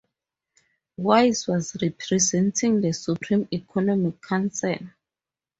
Wise was representing the Supreme Economic Council.